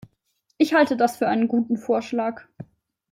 Ich halte das für einen guten Vorschlag.